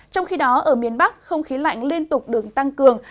trong khi đó ở miền bắc không khí lạnh liên tục đường tăng cường